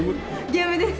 ゲームです。